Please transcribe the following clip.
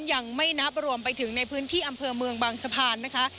ยังไม่นับรวมไปถึงในพื้นที่อำเภอเมืองบางสะพานนะคะ